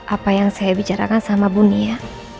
apa yang saya bicarakan sama bu nina